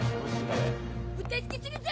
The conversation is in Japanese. お助けするゾ！